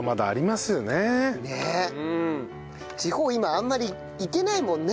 地方今あんまり行けないもんね。